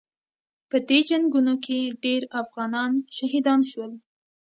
په دې جنګونو کې ډېر افغانان شهیدان شول.